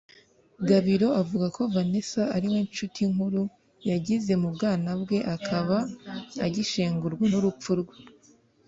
Gabiro avuga ko Vanessa ariwe nshuti nkuru yagize mu bwana bwe akaba agishengurwa n’urupfu rwe